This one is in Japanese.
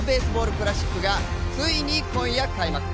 クラシックがついに今夜開幕。